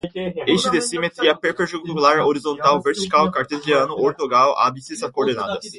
eixo de simetria, perpendicular, horizontal, vertical, cartesiano, ortogonal, abcissas, ordenadas